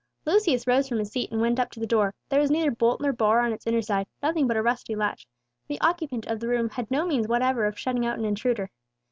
Lucius rose from his seat and went up to the door; there was neither bolt nor bar on its inner side, nothing but a rusty latch; the occupant of the room had no means whatever of shutting out an intruder.